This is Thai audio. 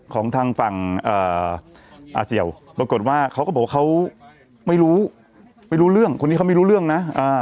ของทางฝั่งอาเสี่ยวปรากฏว่าเขาก็บอกว่าเขาไม่รู้ไม่รู้เรื่องคนนี้เขาไม่รู้เรื่องนะ